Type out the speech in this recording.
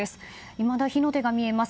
いまだ、火の手が見えます。